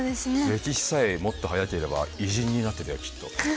歴史さえもっと早ければ偉人になってたよきっと。